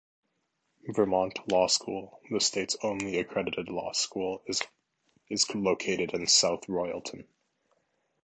Vermont Law School, the state's only accredited law school, is located in South Royalton.